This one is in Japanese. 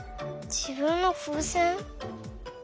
じぶんのふうせん？